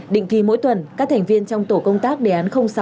định kỳ mỗi tuần các thành viên trong tổ công tác đề án sáu